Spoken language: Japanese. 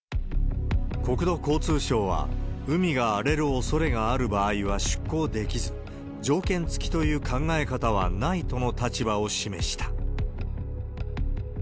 国土交通省は、海が荒れるおそれがある場合は出航できず、条件付きという考え方はないとの立場を示した。